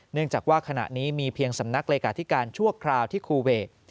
เนื่องจากว่าขณะนี้มีเพียงสำนักเลขาธิการชั่วคราวที่คูเวท